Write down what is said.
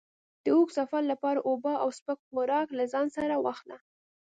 د اوږد سفر لپاره اوبه او سپک خوراک له ځان سره واخله.